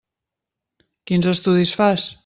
Quins estudis fas?